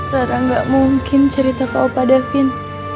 rara gak mungkin cerita apa bapak davin